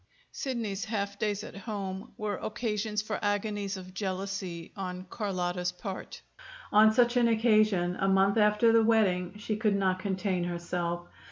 Sidney's half days at home were occasions for agonies of jealousy on Carlotta's part. On such an occasion, a month after the wedding, she could not contain herself.